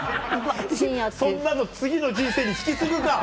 そんなの次の人生に引き継ぐか！